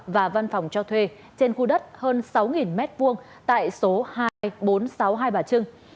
và văn phòng cho thuê trên khu đất hơn sáu m hai tại số hai nghìn bốn trăm sáu mươi hai bà trưng